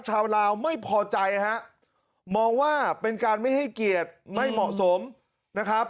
ชาวลาวไม่พอใจฮะมองว่าเป็นการไม่ให้เกียรติไม่เหมาะสมนะครับ